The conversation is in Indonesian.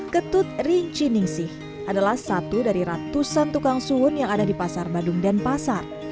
ketut rinci ningsih adalah satu dari ratusan tukang sun yang ada di pasar badung dan pasar